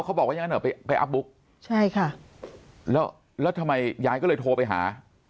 เขาบอกก็ยังอะแล้วใช่ค่ะแล้วทำไมยายก็เลยโทรไปหา